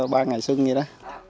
ba ngày xuân vậy đó